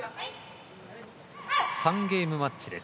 ３ゲームマッチです。